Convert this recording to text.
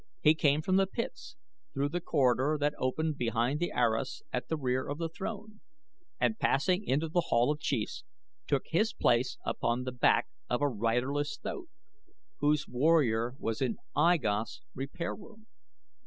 He came from the pits through the corridor that opened behind the arras at the rear of the throne, and passing into The Hall of Chiefs took his place upon the back of a riderless thoat, whose warrior was in I Gos' repair room.